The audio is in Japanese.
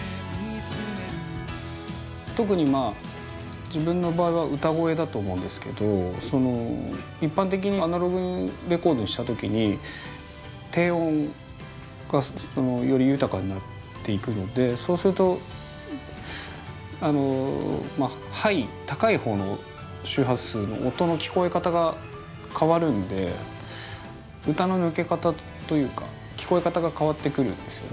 特に自分の場合は歌声だと思うんですけど一般的にアナログレコードにした時に低音がより豊かになっていくのでそうするとハイ高いほうの周波数の音の聞こえ方が変わるんで歌の抜け方というか聞こえ方が変わってくるんですよね。